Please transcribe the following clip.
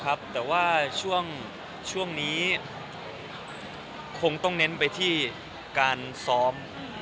แต่ว่าช่วงนี้คงต้องเน้นไปที่การซ้อม